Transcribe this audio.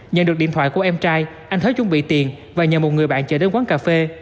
nhận được điện thoại của em trai anh thế chuẩn bị tiền và nhờ một người bạn chờ đến quán cà phê